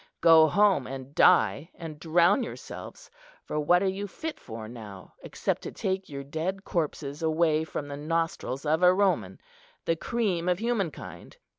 Go home and die, and drown yourselves, for what are you fit for now, except to take your dead corpses away from the nostrils of a Roman, the cream of humankind?